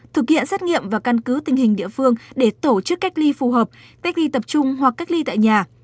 thực hiện xét nghiệm và căn cứ tình hình địa phương để tổ chức cách ly phù hợp cách ly tập trung hoặc cách ly tại nhà